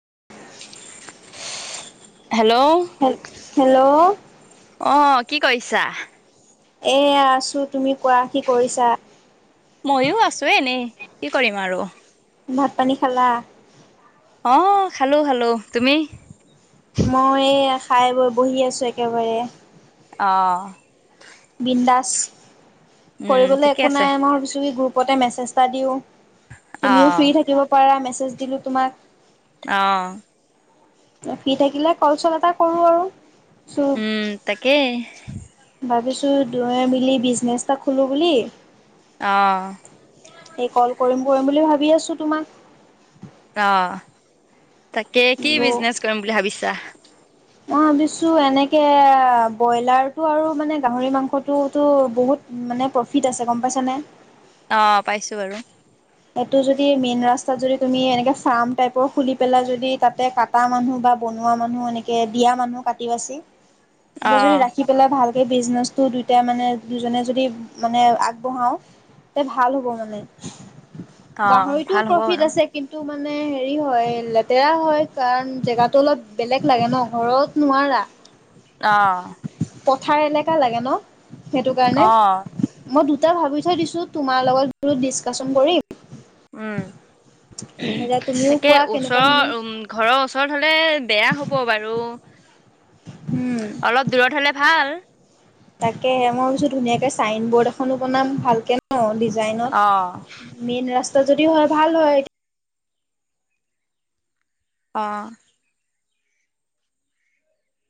[inaudible] Hello hello অহ। কি কৰিছা? এইয়া আছো। তুমি কোৱা কি কৰিছা? মইয়ো আছো এনেই কি কৰিম আৰু। ভাত-পানী খালা? অ, চালো চালো তুমি। মই খাই বৈ বহি আছো একেবাৰে। অঁ। বিন্দাছ উম কৰিবলৈ ঠিকে একো আছে নাই মোৰ গ্ৰোপতেম মেছেজ এটা দিওঁ। তুমিও, অ' ফ্ৰী থাকিব পাৰা মেছেজ দিলো তোমাক। অ'হ। ফ্ৰী থাকিলে কল চল এটা কৰো আৰু। ওঁ চ' তাকেই। দূয়ো মিলি বিজনেছ এটা খোলোঁ বুলি। অ' এই কল কৰিম কৰিম বুলি ভাবি আছো তোমাক। অ তাকে কি বোলো বিজনেছ কৰিম বুলি ভাবিছা। মই ভাবিছো এনেকে বইলাৰতটো আৰু মানে গাহৰি মাংসটোতো বহুত। মানে প্ৰফিট আছে গম পাইছানে? অ, পাইছো বাৰু। এইটো যদি মেইন ৰাস্তাত যদি তুমি এনেকে ফাৰ্ম টাইপৰ খুলি পেলাই যদি তাতে কটা মানুহ বা বনোৱা মানুহ এনেকে দিয়া মানুহ কাটি বাছি এনে যদি অ' ৰাখি পেলাই ভাল। সেই বিজনেছতো দুয়টাই মানে দুজনে যদি মানে আগবঢ়াওঁ। এ ভাল হ'ব মানে অ' গাহৰিতটো ভাল হ'ব বাৰু প্ৰফিিত আছে কিন্তু মানে হেৰি। হেৰি হয় লেতেৰা হয়, কাৰণ জেগাতো অলপ বেলেগ লাগে ন ঘৰত নোৱাৰা। অহ'। পথাৰ এনেকোৱা লাগে ন সেইটো কাৰণে, অ' মই। এয়া ভাবি থৈ দিছো তোমাৰ লগত বুলো ডীছকাছন কৰিম। উম আাইতা তুমিওঁ তাকে কোৱা কেনেকুৱা ওচৰৰ শুনো। উম ঘৰৰ ওচৰত বেয়া হ'ব বাৰু, উম অলপ দূৰত হলে ভাল। তাকেহে মই ধুনীয়াকে চাইন বৰ্ড এখনো বনাম ভালকে ন। লাইনত, অ' মেইন ৰাস্তা যদি হয় ভাল হয়। অ'।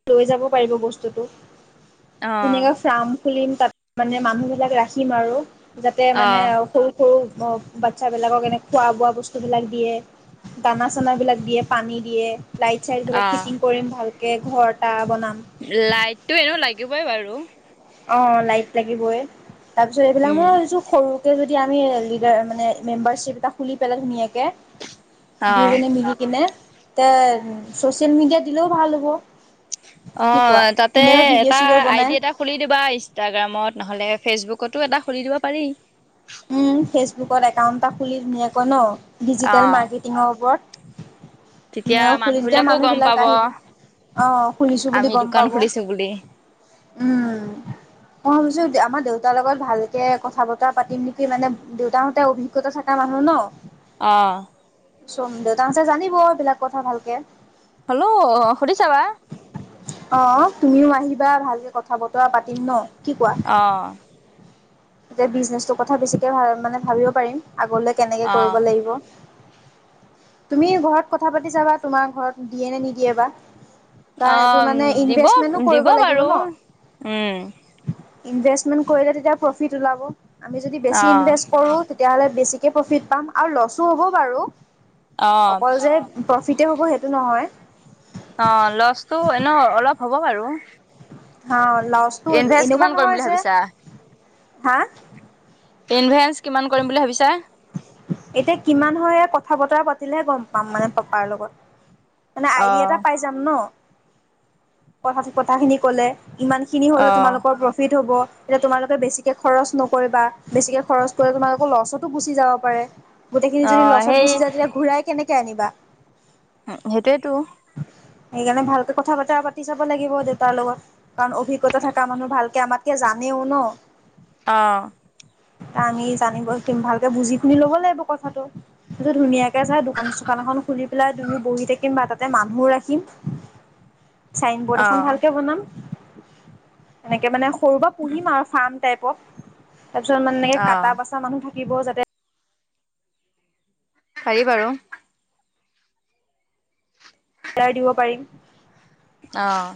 তুমি যাব পাৰিব বস্তুটো অ' ধূনীকে ফ্ৰাম খুলিম তাত মানে মানুহবিলাক ৰাখিম আৰু যাতে মানে অ', সৰু সৰু। অ', বাচ্ছাবিলাকক এনে খোৱা বোৱা বস্তুবিলাক দিয়ে, দানা চানাবিলাক দিয়ে, পানী দিয়ে। লাইট চাইটবিলাক ফিটিং কৰিম ভালকৈ ঘৰ এটা। বনাম লাইটতটো এনেওঁ লাগিবই বাৰু। অ 'লাইট লাগিবই তাৰপিছত, এইবিলাক মই উম, এইযোৰ সৰু। ত ই যদি আমি লিডাৰ মানে মেম্বাৰশ্বিপ এটা খুলি পেলাই ধুনীয়াকে। কবিয়ে অ', দুইজনীয়ে মিলি কিনে। তেওঁ চচিয়েল মিডিয়া দিলেও ভাল হ'ব। অ, কি কোৱা? ' তাতে ধুনীয়াকৈ এটা ভিডিঅ' চিডিঅ' আইডি বনাই এটা খুলি দিবা। ইষ্টাগ্ৰামত নহ'লে ফেচবুকতো এটা খুলি দিব পাৰি। ওহ, ফেচবুকত একাউণ্ট। এটা খুলি ধুনীয়াকৈ ন ডিজিটেল অ', মাৰ্কেটিঙৰ ওপৰত তেতিয়া নেওঁ খুলি তেতিয়া মানুহবিলাকো মানুহ গম বিলাক পাব আহিব। অ, খুনিছো বুলি আমি গম দোকান পাব ওহ, খুলিছোঁ বুলি। মই ভাবিছো। আমাৰ দেউতাৰ লগত ভালকে কথা বতৰা পাতিম নেকি মানে দেউতাহতে অভিজ্ঞতা থকা মানুহ ন। অহ'। চ' দেউতাহঁতে জানিৱ এইবিলাক কথা ভালকে হেল্ল'। শুনিচাবা। অহ' তুমিও আহিবা ভালকে কথা বতৰা পাতিম ন। কি কোৱা? অহ'। এতিয়া বিজনেচটোৰ কথা বেছিকে ভা মানে ভাবিব পাৰিম, আগলৈ কেনেকে কৰিব অ', লাগিব। তুমি ঘৰত কথা পাতিচাবা, তোমাৰ ঘৰত দিয়ে নে নিদিয়ে বা। কাৰ এইটো অ', মানে দিব, ইনভেষ্টমেন্টো দিব কৰিব লাগিব বাৰু। ন উম, ইনভেষ্টমেণ্ট কৰিলে তেতিয়া প্ৰফিট ওলাব, আমি যদি বেছি অ', ইনভেষ্ট কৰো তেতিয়াহলে বেছি কে প্ৰফিট পাম আৰু লছো হ'ব বাৰু। অ', অকল যে প্ৰফিতে হ'ব সেইটো নহয়। অ লছটো এনে অলপ হ'ব বাৰু। হা, লাজটো ইনভেষ্ট এনেকুৱা কিমান কৰিম নহয় বুলি যে ভাবিছা? হা ইনভেষ্ট কিমান কৰিম বুলি ভাবিছা? এতিয়া কিমান হয় কথা বতৰা পাতিলেহে গম পাম মানে পাপাৰ লগত। মানে আইডিয়া এটা অ', পাই যাম ন, কথা কথাখিনি কলে। ইমানখিনি হলে অ', তোমালোকৰ প্ৰফিট হ'ব। এতিয়া তোমালোকে বেছিকে খৰচ নকৰিবা বেছিকে খৰচ কৰি তোমালোকৰ লছতো গুচি যাব পাৰে। গোটেইখিনি যদি অ', লছত সেই গুচি যায় তেতিয়া ঘূৰাই কেনেকে আনিবা? উ সেইটোৱেটো। সেইকাৰণে ভালকে কথা বতৰা পাতি চাব লাগিব দেউতাৰ লগত, কাৰণ অভিজ্ঞতা থকা মানুহ ভালকে আমাতকে জানে। টো ন। অ, আমি জানিব ভালকে বুজি শুনি ল'ব লাগিব কথাটো কিন্তু ধুনীয়াকে চাই দোকান চোকান এখন খুলি পেলাই দুয়ো বহি থাকিম বা তাতে মানুহও ৰাখিম। চাইন বৰ্ড এখন অ', ভালকে বনাম এনেকে মানে সৰু বা পুহিম আৰু চাম। টাইপ অ তাৰপিছত মানে অ', কাটা বাচা মানুহ থাকিব যাতে পাৰি বাৰু। দাৰ দিব পাৰিম। অহ।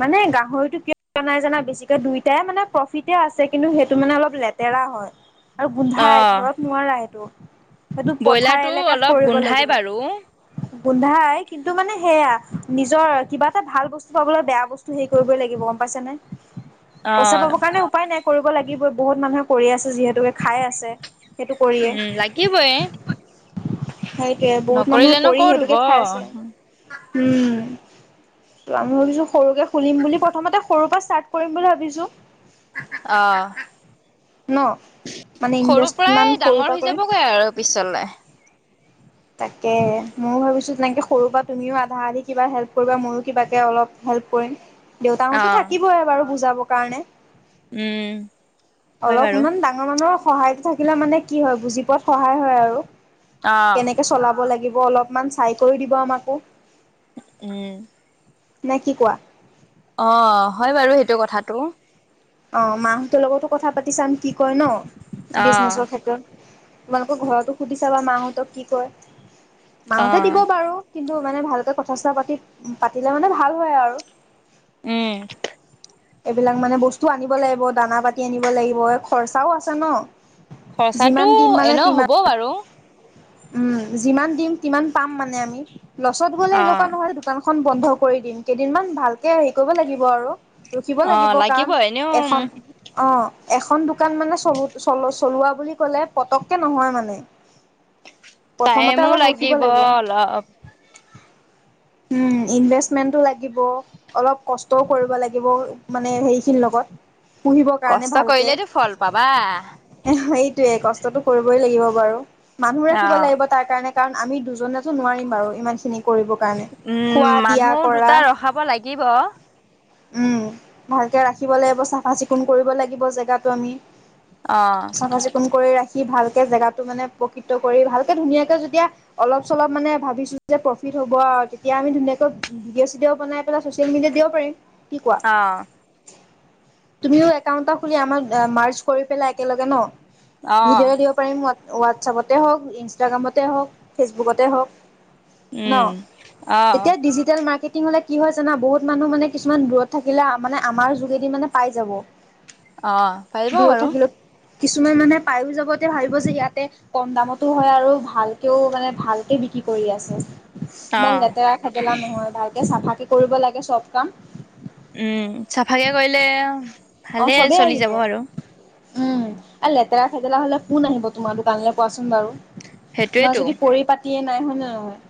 মানে গাহৰিতটো কিয়োৱা নাই জানা বেছিকে দুইটাই মানে প্ৰফিতে আছে কিন্তু সেইটো মানে অলপ লেতেৰা। হয় আৰু গোন্ধাই অ', ঘৰত নোৱাৰা সেইটো সেইটো পথাৰ ব্ৰইলাৰটো এলেকাত অলপ কৰিব গোন্ধাই লাগিব বাৰু। গোন্ধাই। কিন্তু মানে সেয়া নিজৰ কিবা এটা ভাল বস্তু পাবলৈ বেয়া বস্তু হেৰি কৰিবই লাগিব গম পাইছ নে? পইচা অ'। পাবৰ কাৰণে উপায় নাই কৰিব লাগিবই বহুত মানুহে কৰি আছে যিহেতুকে খাই আছে। সেইটো উম, লাগিব এ। সেইটো এ বহুত মানুহে কৰি হ'ব। সেইটোকে খাই আছে উম। ত' আমি ভাবিছো সৰুকে খুলিম বুলি প্ৰথমতে সৰু পৰা ষ্টাৰ্ট কৰিম বুলি ভাবিছো। অ'হ। ন' মানে পৰাই ইনভেষ্টমেণ্ট সৰুৰ ডাঙৰ পৰা হৈ কৰে। যাবগৈ আৰু পিছলে। তাকে ময়ো ভাবিছো তেনেকে সৰু পৰা তুমিও আধা আধি কিবা হেল্প কৰিবা ময়ো কিবাকে অলপ হেল্প কৰিম। দেউতাহঁতো অ', থাকিবে বাৰু বুজাবৰ কাৰণে। উম, হয় অলপ বাৰু ইমান ডাঙৰ মানুহৰ সহায়ত থাকিলে মানে কি হয় বুজি পোৱাত সহায় হয় আৰু অ', কেনেকে চলাব লাগিব। হব অলপমান চাই কৰি দিব আমাকো উম। নে কি কোৱা? অ, হয় বাৰু সেইটো কথাটো। অ' মাহঁতৰ লগতো কথা পাতি চাম। কি কয় ন অ', বিজনেচৰ ক্ষেত্ৰত তোমালোকৰ ঘৰতো সুধিছাবা মাহঁতক কি কয় মাহঁতে দিব অ', বাৰু কিন্তু মানে ভালকে কথা চথা পাতি পাতিলে মানে ভাল হয় আৰু উম। এইবিলাক মানে বস্তুও আনিব লাগিব দানা পাতি আনিব লাগিব খৰচাও আছে ন। খৰচাতটো যিমান দিম মানে এনে তিমান হব বাৰু উম, যিমান দিম িমান পাম মানে আমি লছত গ'লে এনেকুৱা অ নহয় দোকানখন বন্ধ কৰি দিম কেইদিনমান ভালকে হেৰি কৰিব লাগিব আৰু ৰখিব লাগিব কাৰণ এখন অ, এখন দোকান মানে চলল চলোৱা বুলি কলে পতককে নহয় মানে প্ৰথমতে টাইমো অলপ ৰখিব লাগিব। উম, অলপ ইনভেষ্টমেন্টো লাগিব অলপ কষ্টও কৰিব লাগিব লগিবও মানে হেৰিখিনিৰ লগত পুহিবৰ কাৰণে কষ্ট ভালকে কৰিলেতো ফল পাবা। সেইটোয়ে কষ্ট কষ্টটো কৰিবই লাগিব বাৰু মানুহ ৰাখিব লাগিব তাৰ কাৰণে কাৰণ আমি দুজনে টো নোৱাৰিম বাৰু ইমানখিনি কৰিব কাৰণে উম খোৱা দিয়া মানুহ কৰা দুটা ৰখাব লাগিব। উম, ভালকে ৰাখিব লাগিব চাফা চিকুণ কৰিব লাগিব জেগাটো আমি অ চাফা চিকুণ কৰি ৰাখি ভালকে জেগাটো মানে প্ৰকৃত কৰি ভালকে ধুনীয়াকে যেতিয়া অলপ চলপ মানে ভাবিছো যে প্ৰফিট প্ৰফিট হ'ব আৰু তেতিয়া আমি ধুনীয়াকৈ ভিডিঅ চিডি বনাই পেলাই চচিয়েল মিডিয়াত দিব পাৰিম। কি কোৱা? অ' তুমিও একাউণ্টটা খুলি আমাৰ মাৰ্চ কৰি পেলাই একেলগে ন' ভিডিঅ' দিব পাৰিম হোৱাট হোৱাটছআপতে হওক ইনষ্টাগ্ৰামতে হওক ফেচবুকতে হওক ন, উম অ তেতিয়া ডিজিটেল মাৰ্কেট হলে কি হয় জানা বহুত মানুহ মানে কিছুমান দূৰত থাকিলে মানে আমাৰ যোগেদি মানে পাই যাব। অ, পাৰিব দূৰত বাৰু থাকিলেও কিছুমান মানুহে পায়ো যাব তে ভাবিব যে ইয়াতে কম দামতো হয় আৰু ভালকেও মানে ভালকে বিক্ৰি কৰি আছে? অ। ইমান লেতেৰা খেদেলা নহয় ভালকে চাফাকে কৰিব লাগে চব কাম। উম, চাফাকে কৰিলে অ ভালে চবেই চলি আহিব যাব আৰু। উম, আৰু লেতেৰা খেতেৰা হলে কোন আহিব তোমাৰ দোকানলে কোৱাচোন বাৰু। তোমাৰ সেইটোয়েতো যদি পৰিপাতিয়ে নাই হয়নে নহয়?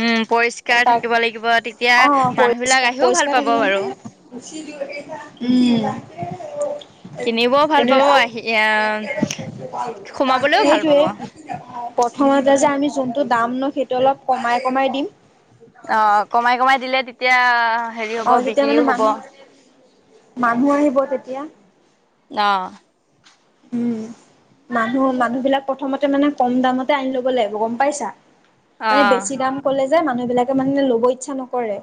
উম, পৰিস্কাৰ তাক থাকিব লাগিব তেতিয়া অ', পৰিষ্কাৰ মানুহ বিলাক আহিও পৰিষ্কাৰ ভাল পাব। উম। [unintelligible] বাৰু কিনিবও ভাল পাব আহি আহ সোমাবলৈও ভাল সেইটোৱে পাব। প্ৰথমতে যে আমি যোনটো দাম ন সেইটো অলপ কমাই কমাই দিম। অ কমাই কমাই দিলে তেতিয়া হেৰি অ হ'ব তেতিয়া মানে বিক্ৰীও হ'ব। মানুহ মানুহ আহিব তেতিয়া। অ'। উম। মানুহ মানুহ বিলাক প্ৰথমতে মানে কম দামতে আনি ল'ব লাগিব গম পাইছা। অ মানে বেছি দাম কলে যে মানুহ বিলাকে মানে ল'ব ইচ্ছা নকৰে।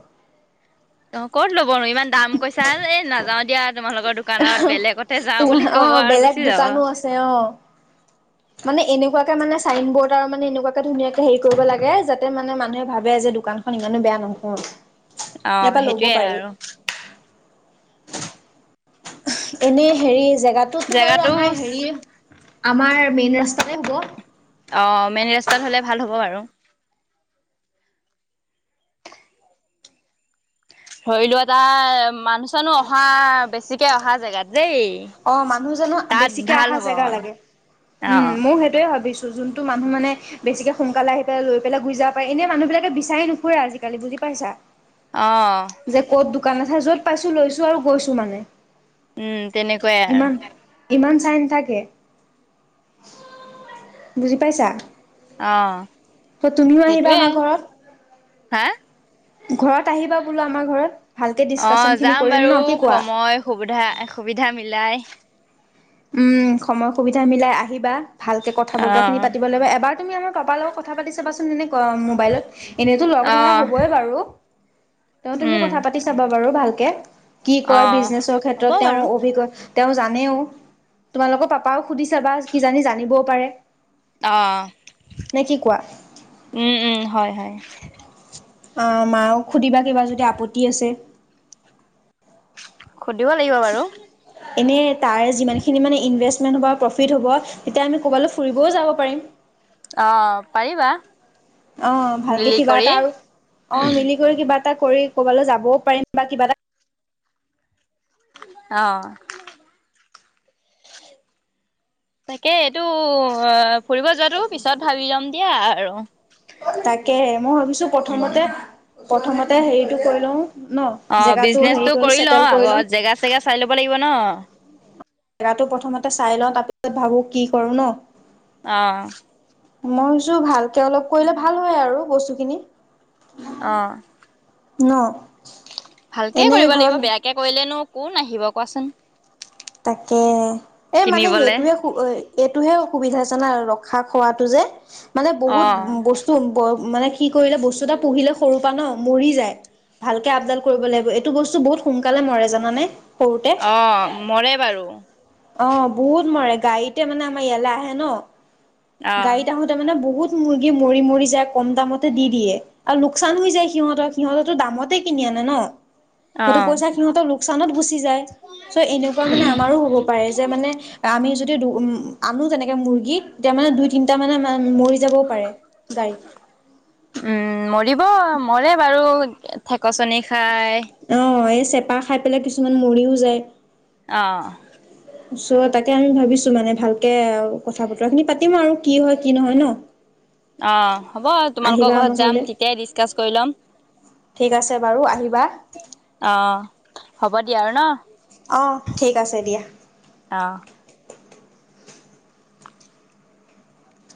অ ক'ত ল'বনো ইমান দাম কৈছা এই নাযাও দিয়া তোমালোকৰ দোকানত বেলেগতে যাওঁ তোমাৰ বুলি ক'ব অ' আৰু বেলেগ গুচি যাব। দোকানো আছে অ' মানে এনেকুৱাকে মানে চাইন বৰ্ড আৰু মানে এনেকুৱাকে ধুনীয়াকে হেৰি কৰিব লাগে যাতে মানে মানুহে ভাবে যে দোকানখন ইমানো বেয়া নহয়। অ, ইয়াৰ পৰা ল'ব সেইটোয়ে পাৰি আৰু। এনেই হেৰি জেগাটোতো বাৰু জেগাটো আমাৰ হেৰি আমাৰ মেইন ৰাস্তাতে হ'ব? অ, মেইন ৰাস্তাত হ'লে ভাল হ'ব বাৰু। ধৰি লোৱা তাৰ মানুহ চানোহ অহা বেছিকে অহা জেগাত। দেই। অ, মানুহ চানোহ তাত বেছিকে ভাল আহা হ'ব জেগা মানে লাগে অ উম, মওঁ সেইটোয়ে ভাবিছো। যোনটো মানুহ মানে বেছিকে সোনকাল আহি পেলাই লৈ পেলাই গুচি যাব পাৰে এনে মানুহ বিলাকে বিচাৰি নুফুৰে আজিকালি বুজি পাইছা? অ', যে ক'ত দোকান এঠাই য'ত পাইছো লৈছো আৰু গৈছো মানে। উম, তেনেকুৱাই আৰু। ইমান ইমান চাই নাথাকে বুজি পাইছা? অ', অ', তুমিও আহিবা সেইটোৱে আমাৰ হা ঘৰত ঘৰত আহিবা বোলো আমাৰ ঘৰত ভালকে অ, ডিচকাচন ' খিনি যাম কৰিম বাৰু ন কি কোৱা? সময় সুবিধা, সুবিধা মিলাই উম, সময় সুবিধা মিলাই আহিবা ভালকৈ কথা বতৰাখিনি অ' পাতিব লাগিব এবাৰ তুমি আমাৰ পাপাৰ লগত কথা পাতি চাবাচোন মানে মোবাইলত এনেইতো লগ ধৰা হবই বাৰু তেওঁ তুমি উম, কথা পাতি চাবা বাৰু ভালকে কি কয় অ' বিজনেছৰ হ'ব ক্ষেত্ৰত তেওঁ বাৰু অভিজ্ঞ তেওঁ জানেও তোমালোকৰ পাপাও সুধিছ বা কিজানি জানিবও পাৰে অ', নে কি কোৱা উম, উম, হয়, হয় অ', মাকো সুধিবা কিবা যদি আপত্তি আছে সুধিব লাগিব বাৰু এনেই তাৰে যিমানখিনি মানে ইনভেষ্ট প্ৰফিট হ'ব তেতিয়া আমি ফুৰিবও যাব পাৰিম অ', পাৰিবা অ, ' ভালকে মিলি কিবা কৰি এটা আৰু অ', মিলি কৰি কিবা এটা কৰি ক'বালৈ যাবও পাৰিম বা কিবা এটা আহ, তাকে এইটো ফুৰিব যোৱাতটো পিছত ভাবি লম দিয়া আৰু তাকেহে মই ভাবিছো প্ৰথমতে, উম, প্ৰথমতে হেৰিতটো কৈ লওঁ ন অ, ' জেগাটো হেৰি বিজনেচটো কৰি ল চেটেল লওঁ আগত জেগা চেগা চাই ল'ব লাগিব ন। জেগটো প্ৰথমতে চাই লওঁ তাৰপিছত ভাবো কি কৰো ন অ', মই ভবিছো ভালকে অলপ কৰিলে ভাল হয় আৰু বস্তুখিনি অ', ন ভালকে এনে কৰিব লাগিব, ঘৰত বেয়াকে কৰিলেনো কোন আহিব, কোৱাচোন তাকে, এ মানে কিনিবলে সেইটোহে সু এইটোহে অসুবিধা‌ জানা আৰু ৰখা খোৱাতটো যে, মানে বহুত অ' বস্তু মানে কি কৰিলে, বস্তু এটা পুহিলে সৰু পৰা ন মৰি যায় ভালকে আপডাল কৰিব লাগিব, এইটো বস্তু বহুত সোনকালে মৰে জানানে সৰুতে অহ', মৰে বাৰু অহ', বহুত মৰে, গাড়ীতে মানে আমাৰ ইয়ালৈ আহে ন, অ গাড়ীত আহোতে মানে বহুত মুৰ্গী মৰি মৰি যায়, কম দামতে দি দিয়ে আৰু লোকচান হৈ যায় সিহঁতক সিহঁতেটো দামতে কিনি আনে আনে ন, অ সেইটো পইচা সিহঁতৰ লোকচানত গুচি যায় চ' এনেকুৱা মানে আমাৰো হ'ব পাৰে যে মানে, আমি যদি [unintelligible] আনো তেনেকে মুৰ্গীত, তেতিয়া মানে দুই তিনিটা মানে মৰি যাবও পাৰে গাড়ীত [unintelligible] উম', মৰি মৰে বাৰু ঠেকচনি খাই অহ', এই চেপা খাই পেলাই কিছুমান মৰিও যায় অহ', চ' তাকে আমি ভাবিছো মানে ভালকে, কথা বতৰা খিনি পাতিম আৰু কি হয় কি নহয় ন অহ', হ'ব তোমালোকৰ আহিবা আমাৰ ঘৰত যাম ঘৰলে তেতিয়াই ডিচকাচ্ কৰি ল'ম ঠিক আছে বাৰু আহিবা অ হ'ব দিয়া আৰু ন অ', ঠিক আছে দিয়া অ